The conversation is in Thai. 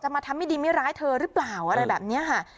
มาทำไม่ดีไม่ร้ายเธอหรือเปล่าอะไรแบบนี้ค่ะ